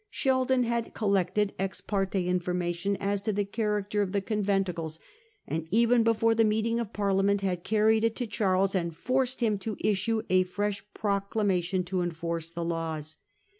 Sheldon had collected ex parte information as to the character of the conventicles, and even before the meeting of Parlia ment had carried it to Charles and forced him to issue a fresh proclamation to enforce the laws.